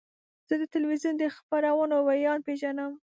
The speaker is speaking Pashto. زه د تلویزیون د خبرونو ویاند پیژنم.